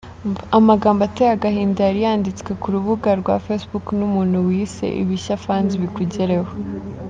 Amagambo ateye agahinda yari yanditswe ku rubuga rwa facebook n’umuntu wiyise Ibishyafans Bikugereho.